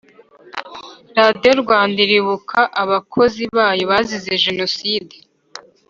Radiyo Rwanda iribuka abakozi bayo bazize jenoside